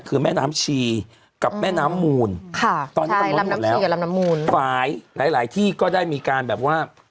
คือแม่น้ำชีกับแม่น้ำมูลค่ะตอนนี้กำลังน้ำชีกับลำน้ำมูลฝ่ายหลายหลายที่ก็ได้มีการแบบว่า